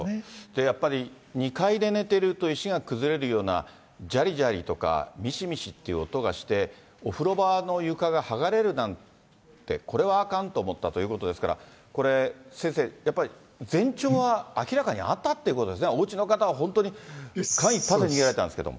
やっぱり、２階で寝ていると石が崩れるような、じゃりじゃりとか、みしみしという音がして、お風呂場の床が剥がれるなんて、これはあかんって思ったということですから、これ先生、やっぱり前兆は明らかにあったということですね、おうちの方は本当に間一髪で逃げられたんですけど。